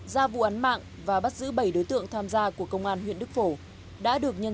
ra vụ án mạng và bắt giữ bảy đối tượng tham gia của công an huyện đức pháp